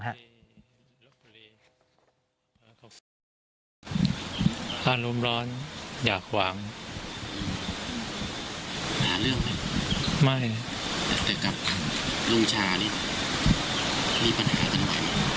ลูกชานี่มีปัญหากันใหม่ไหม